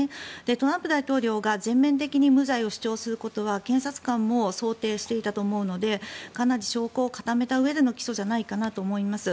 トランプ前大統領が全面的に無罪を主張することは検察官も想定していたと思うのでかなり証拠を固めたうえでの起訴じゃないかなと思います。